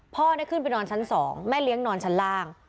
พ่อได้ขึ้นไปนอนชั้น๒แม่เลี้ยงนอนชั้นล่าง